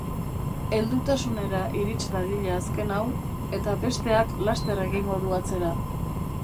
Heldutasunera irits dadila azken hau, eta besteak laster egingo du atzera.